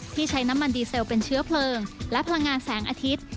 ใช้น้ำมันดีเซลเป็นเชื้อเพลิงและพลังงานแสงอาทิตย์